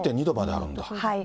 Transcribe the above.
１１．２度まであるんだ。